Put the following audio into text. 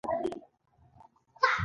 مرستې دې خوشاله کړم.